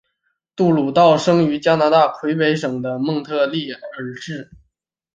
杜鲁道生于加拿大魁北克省的蒙特利尔市。